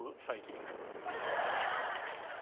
最近。